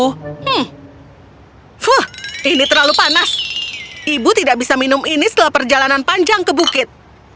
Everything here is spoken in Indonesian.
hmm fuh ini terlalu panas ibu tidak bisa minum ini setelah perjalanan panjang ke bukit